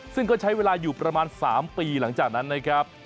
ซึ่งก็ใช้เวลาอยู่ประมาณ๓ปีหลังจากนั้นนะครับ